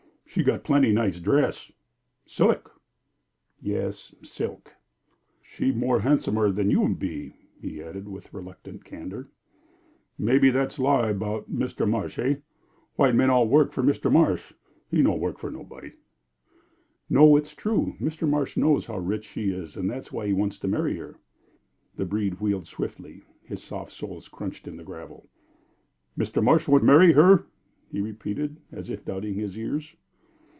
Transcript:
"She got plenty nice dress silik." "Yes, silk." "She more han'somer than you be," he added, with reluctant candor. "Mebbe that's lie 'bout Mr. Marsh, eh? White men all work for Mr. Marsh. He no work for nobody." "No, it is true. Mr. Marsh knows how rich she is, and that is why he wants to marry her." The breed wheeled swiftly, his soft soles crunching the gravel. "Mr. Marsh want marry her?" he repeated, as if doubting his ears.